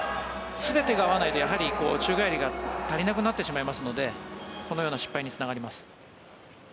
全てが合わないと宙返りが足りなくなりますのでこのような失敗につながります。